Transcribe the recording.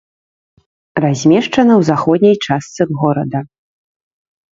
Размешчана ў заходняй частцы горада.